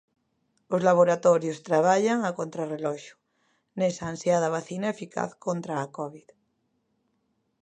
Os laboratorios traballan a contrarreloxo nesa ansiada vacina eficaz contra a Covid.